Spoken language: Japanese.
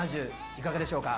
いかがでしょうか？